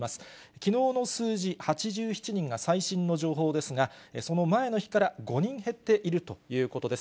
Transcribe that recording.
きのうの数字８７人が最新の情報ですが、その前の日から５人減っているということです。